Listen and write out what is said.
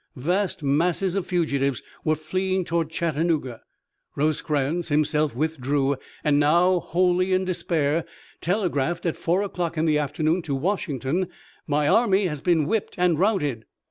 Vast masses of fugitives were fleeing toward Chattanooga. Rosecrans himself withdrew, and, now wholly in despair, telegraphed at four o'clock in the afternoon to Washington: "My army has been whipped and routed."